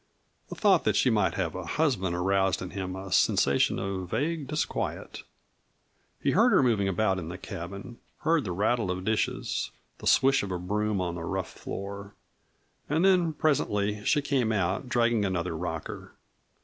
The thought that she might have a husband aroused in him a sensation of vague disquiet. He heard her moving about in the cabin, heard the rattle of dishes, the swish of a broom on the rough floor. And then presently she came out, dragging another rocker.